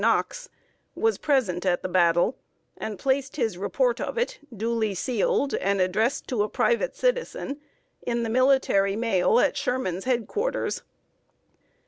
Knox, was present at the battle, and placed his report of it, duly sealed, and addressed to a private citizen, in the military mail at Sherman's head quarters.